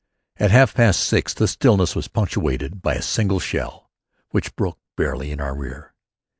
At half past six that stillness was punctuated by a single shell, which broke barely in our rear.